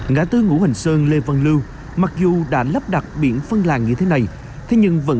ngã tư ngũ hành sơn lê văn lưu mặc dù đã lắp đặt biển phân làng như thế này